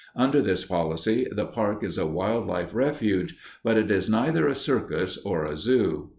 Under this policy the park is a wildlife refuge but it is neither a circus or a zoo."